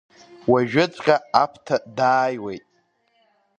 Уажәыҵәҟьа Аԥҭа дааиуеит.